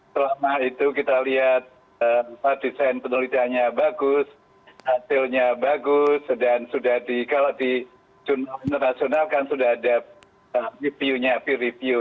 selama itu kita lihat desain penelitiannya bagus hasilnya bagus dan sudah di kalau di jurnal internasional kan sudah ada review nya peer review